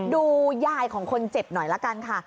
ยายของคนเจ็บหน่อยละกันค่ะ